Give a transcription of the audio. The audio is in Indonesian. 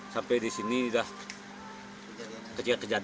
sampai di sini sudah kejadian